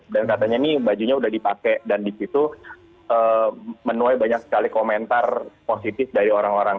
dan katanya ini bajunya udah dipakai dan di situ menuai banyak sekali komentar positif dari orang orang